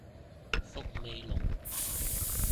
伏味濃